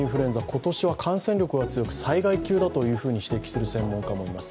今年は感染力が強く、災害級だと指摘する専門家もいます。